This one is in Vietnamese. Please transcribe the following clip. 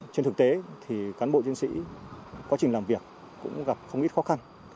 trên thực tế thì cán bộ chiến sĩ quá trình làm việc cũng gặp không ít khó khăn